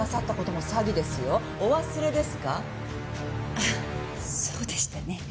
あっそうでしたね。